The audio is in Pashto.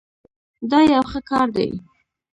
دا یو ښه کار دی.